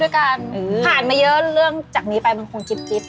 ผ่านมาเยอะเรื่องจากนี้ไปมันคงติด